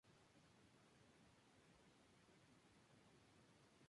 Es un diario político no personal.